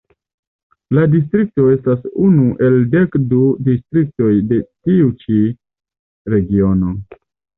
La distrikto estas unu el dek du distriktoj de tiu ĉi Regiono.